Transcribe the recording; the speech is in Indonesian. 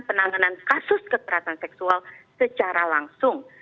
penanganan kasus kekerasan seksual secara langsung